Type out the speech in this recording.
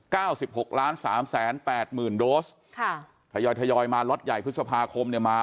สิบหกล้านสามแสนแปดหมื่นโดสค่ะทยอยทยอยมาล็อตใหญ่พฤษภาคมเนี่ยมา